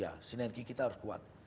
ya sinergi kita harus kuat